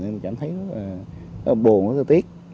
thì mình cảm thấy rất là buồn rất là tiếc